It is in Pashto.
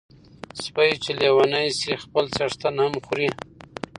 سپي چی لیوني سی خپل څښتن هم خوري .